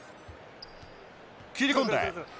切り込んで。